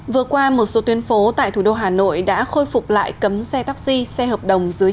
vừa qua một số tuyến phố tại thủ đô hà nội đã khôi phục lại cấm xe taxi xe hợp đồng dưới